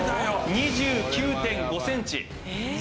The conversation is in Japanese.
２９．５センチ。